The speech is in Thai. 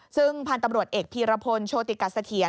ซึ่งพันธุ์ตำรวจเอกพีรพลโชติกัสเถียร